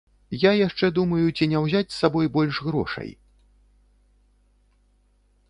Я яшчэ думаю, ці не ўзяць з сабой больш грошай.